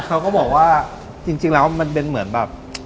เขาก็บอกว่าจริงแล้วมันเป็นเหมือนแบบ